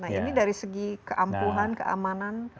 nah ini dari segi keampuhan keamanan